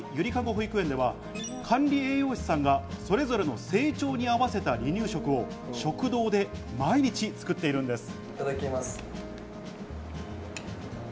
保育園では、管理栄養士さんがそれぞれの成長に合わせた離乳食を食堂で毎日作っているんです。